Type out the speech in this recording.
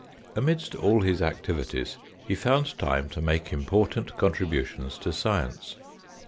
Amidst all his activities he found time to make important con tributions to science.